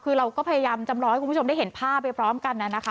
คือเราก็พยายามจำลองให้คุณผู้ชมได้เห็นภาพไปพร้อมกันนะคะ